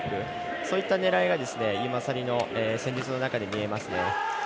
そういった狙いがユマサリの戦術の中に見えますね。